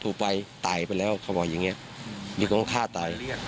อยู่ในบ้านพักของเขา